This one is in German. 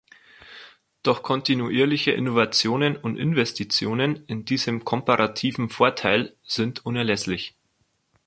Doch kontinuierliche Innovationen und Investitionen in diesen komparativen Vorteil sind unerlässlich.